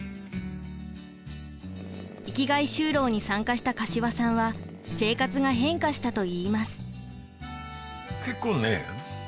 生きがい就労に参加した柏さんは生活が変化したといいます。